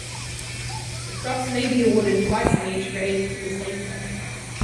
The cross may be awarded twice in each grade to the same person.